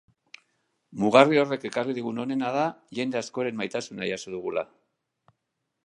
Mugarri horrek ekarri digun onena da jende askoren maitasuna jaso dugula.